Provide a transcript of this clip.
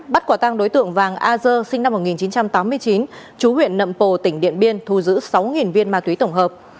bắt quả tăng đối tượng vàng a dơ sinh năm một nghìn chín trăm tám mươi chín chú huyện nậm pồ tỉnh điện biên thu giữ sáu viên ma túy tổng hợp